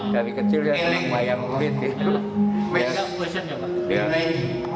dari kecil ya senang wayang kulit